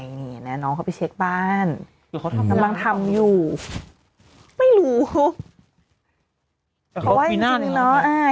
นี่เนี่ยน้องเขาไปเช็คบ้านกำลังทำอยู่ไม่รู้เพราะว่าจริงจริงเนอะอ่า